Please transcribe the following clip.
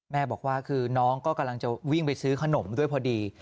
แม่บอกว่าคือน้องก็กำลังจะวิ่งไปซื้อขนมด้วยพอดี